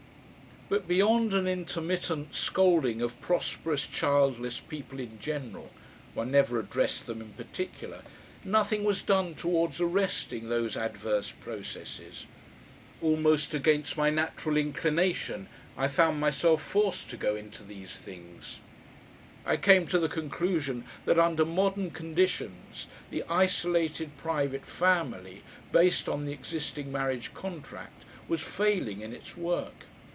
But beyond an intermittent scolding of prosperous childless people in general one never addressed them in particular nothing was done towards arresting those adverse processes. Almost against my natural inclination, I found myself forced to go into these things. I came to the conclusion that under modern conditions the isolated private family, based on the existing marriage contract, was failing in its work.